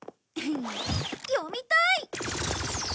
読みたい！